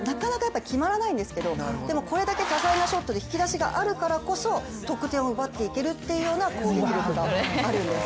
だからなかなか決まらないんですけどでも、これだけ多彩なショットで引き出しがあるからこそ得点を奪っていけるというような攻撃力があるんです。